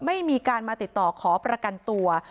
ไม่มีการมาติดต่อขอประกันตัว